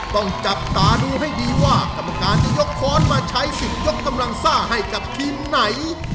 ต้องจับตาดูให้ดีว่ากรรมการจะยกค้อนมาใช้สิทธิ์ยกกำลังซ่าให้กับทีมไหน